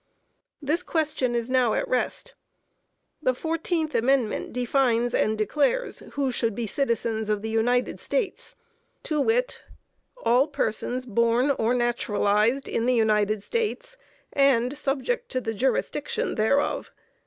This question is now at rest. The 14th Amendment defines and declares who should be citizens of the United States, to wit: "All persons born or naturalized in the United States and subject to the jurisdiction thereof."